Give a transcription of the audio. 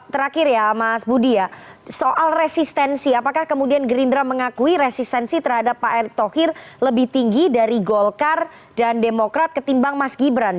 terakhir ya mas budi ya soal resistensi apakah kemudian gerindra mengakui resistensi terhadap pak erick thohir lebih tinggi dari golkar dan demokrat ketimbang mas gibran